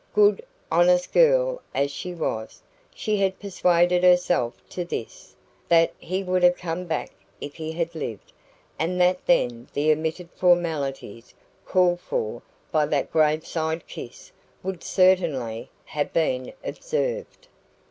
Good, honest girl as she was, she had persuaded herself to this that he would have come back if he had lived, and that then the omitted formalities called for by that graveside kiss would certainly have been observed.